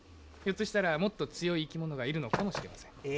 ひょっとしたらもっと強い生き物がいるのかもしれません。